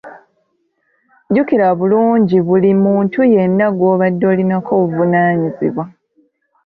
Jukira bulungi buli muntu yenna gw'obadde olinako obuvunaanyizibwa.